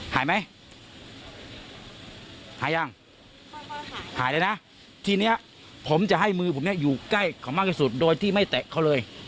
หายไหมหายยังหายเลยนะทีเนี้ยผมจะให้มือผมเนี่ยอยู่ใกล้เขามากที่สุดโดยที่ไม่เตะเขาเลย